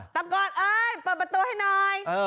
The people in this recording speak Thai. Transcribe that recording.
ตะโกนเอ้ยเปิดประตูให้หน่อย